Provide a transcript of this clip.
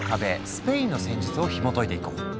スペインの戦術をひもといていこう。